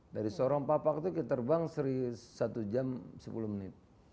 dari sorong papak itu kita terbang satu jam sepuluh menit